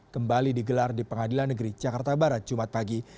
kembali digelar di pengadilan negeri jakarta barat jumat pagi